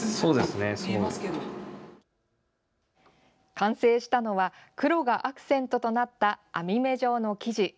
完成したのは黒がアクセントとなった網目状の生地。